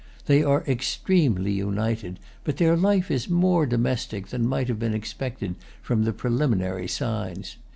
They are extremely united, but their life is more domestic than might have been expected from the preliminary signs.